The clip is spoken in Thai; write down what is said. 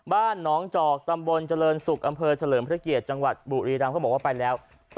บ้านหนองจอกตำบลเจริญศุกร์อำเภอเฉลิมพระเกียรติจังหวัดบุรีรำเขาบอกว่าไปแล้ว